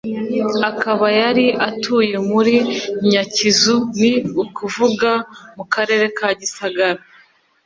Akaba yari atuye muri Nyakizu ni ukuvuga mu Karere ka Gisagara.